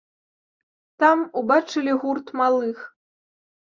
Там убачылі гурт малых.